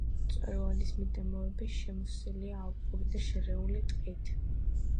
მწვერვალის მიდამოები შემოსილია ალპური და შერეული ტყით.